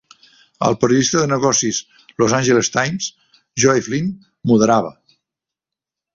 El periodista de negocis "Los Angeles Times", Joe Flint, moderava.